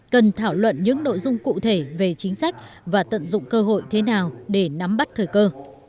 cần thảo luận những nội dung cụ thể về chính sách và tận dụng cơ hội thế nào để nắm bắt thời cơ